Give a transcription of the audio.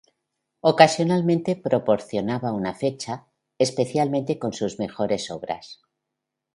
Ocasionalmente proporcionaba una fecha, especialmente con sus mejores obras.